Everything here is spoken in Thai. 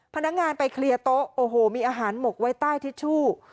พนักงานไปเคลียร์โต๊ะโอ้โหมีอาหารหมกไว้ใต้ทิชชู่